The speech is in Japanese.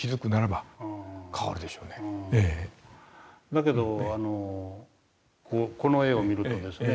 だけどこの絵を見るとですね